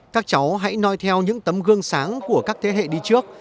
các cháu hãy nói theo những tấm gương sáng của các thế hệ đi trước